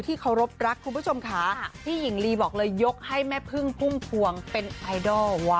เคารพรักคุณผู้ชมค่ะพี่หญิงลีบอกเลยยกให้แม่พึ่งพุ่มพวงเป็นไอดอล